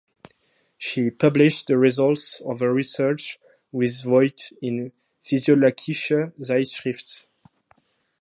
She published the results of her research with Voigt in Physikalische Zeitschrift.